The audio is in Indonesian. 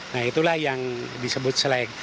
nah itulah yang disebut sleg